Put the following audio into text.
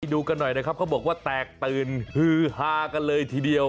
ดูกันหน่อยนะครับเขาบอกว่าแตกตื่นฮือฮากันเลยทีเดียว